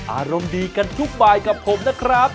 อารมณ์ดีกันทุกบายกับผมนะครับ